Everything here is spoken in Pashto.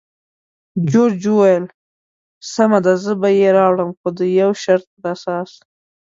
جورج وویل: سمه ده، زه به یې راوړم، خو د یو شرط پر اساس.